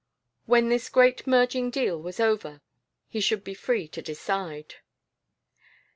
When this great merging deal was over he should be free to decide.